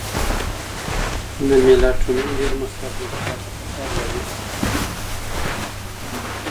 د میلاټونین ډیر مصرف روغتیا ته خطر لري.